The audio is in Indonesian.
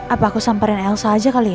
apa aku samperin elsa aja kali ya